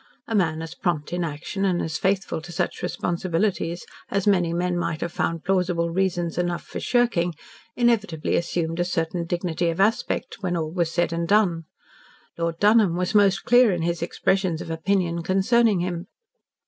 A man as prompt in action, and as faithful to such responsibilities as many men might have found plausible reasons enough for shirking, inevitably assumed a certain dignity of aspect, when all was said and done. Lord Dunholm was most clear in his expressions of opinion concerning him.